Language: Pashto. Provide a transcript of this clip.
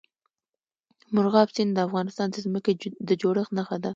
مورغاب سیند د افغانستان د ځمکې د جوړښت نښه ده.